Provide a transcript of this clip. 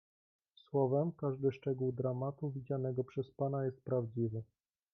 "Słowem, każdy szczegół dramatu, widzianego przez pana, jest prawdziwy."